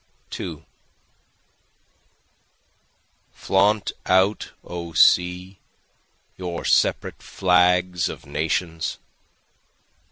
2 Flaunt out O sea your separate flags of nations!